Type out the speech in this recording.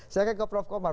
saya akan ke prof komar